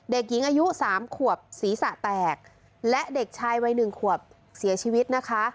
เด็กหญิงอายุสามขวบศีรษะแตกและเด็กชายวัยหนึ่งขวบเสียชีวิตนะคะ